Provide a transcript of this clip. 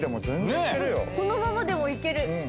そのままでもいける。